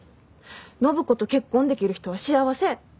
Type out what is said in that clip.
暢子と結婚できる人は幸せ。